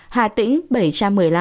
hà tĩnh bảy trăm một mươi năm